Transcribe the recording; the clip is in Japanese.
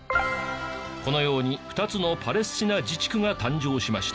このように２つのパレスチナ自治区が誕生しました。